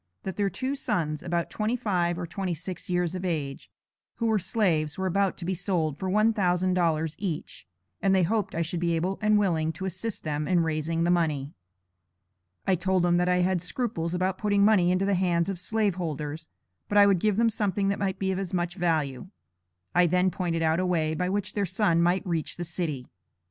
that their two sons (about twenty five or twenty six years of age), who were slaves, were about to be sold, for one thousand dollars each; and they hoped I should be able and willing to assist them in raising the money. I told them that I had scruples about putting money into the hands of slave holders, but I would give them something that might be of as much value. I then pointed out a way by which their sons might reach the city.